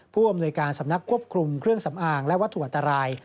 ผู้อำนวยการสำนักควบคุมเครื่องสำอางและวัตถุอันตราย